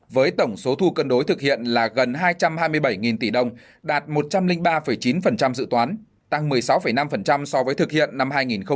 với tổng số thu cân đối thực hiện là gần hai trăm hai mươi bảy tỷ đồng đạt một trăm linh ba chín dự toán tăng một mươi sáu năm so với thực hiện năm hai nghìn một mươi bảy